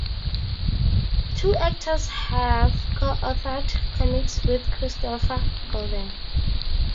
Two actors have co-authored comics with Christopher Golden.